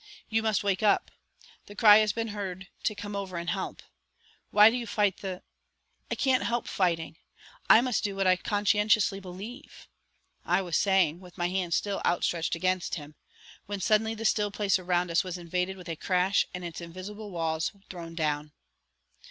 You must wake up; the cry has been heard to 'Come over and help.' Why do you fight the " "I can't help fighting. I must do what I conscientiously believe " I was saying with my hand still outstretched against him, when suddenly the still place around us was invaded with a crash and its invisible walls thrown down.